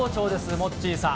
モッチーさん。